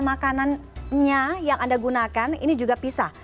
makanannya yang anda gunakan ini juga pisah